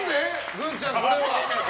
グンちゃん、これは。